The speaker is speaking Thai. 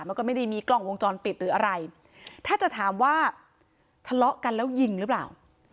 มันก็ไม่ได้มีกล้องวงจรปิดหรืออะไรถ้าจะถามว่าทะเลาะกันแล้วยิงหรือเปล่า